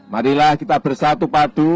marilah kita bersatu padu